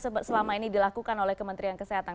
selama ini dilakukan oleh kementerian kesehatan